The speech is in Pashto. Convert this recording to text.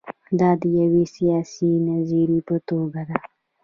دا د یوې سیاسي نظریې په توګه ده.